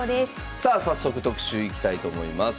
さあ早速特集いきたいと思います。